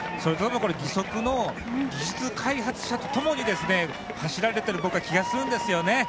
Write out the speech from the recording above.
義足の技術開発者とともに走られている気がするんです。